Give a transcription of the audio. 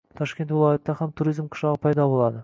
Toshkent viloyatida ham “Turizm qishlog‘i” paydo bo‘ladi